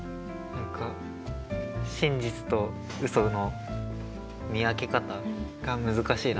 何か真実とうその見分け方が難しいなって思った。